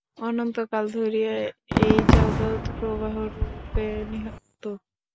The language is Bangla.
অনন্তকাল ধরিয়া এই জগৎ প্রবাহরূপে নিত্য।